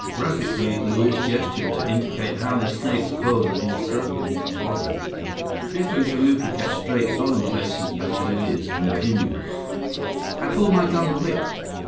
Graphically, Luiz gestured to indicate how the snake's coils had encircled his body. Biff and Kamuka kept straight, solemn faces as Luiz continued. "I pull my gun quick!"